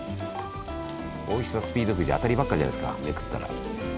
おいしさスピードくじ当たりばっかじゃないですかめくったら。